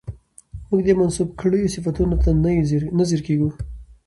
موږ دې منسوب کړيو صفتونو ته نه ځير کېږو